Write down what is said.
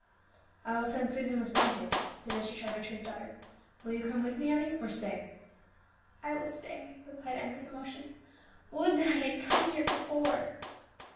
"I will send Susan with blankets," said Mr. Trevor to his daughter. "Will you come with me, Emmie, or stay?" "I will stay," replied Emmie with emotion; "would that I had come here before!"